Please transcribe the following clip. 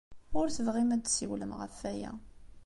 Ur tebɣim ad d-tessiwlem ɣef waya.